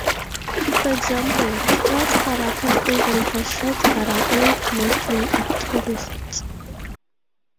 For example, Stratford-upon-Avon has shops that are aimed mostly at tourists.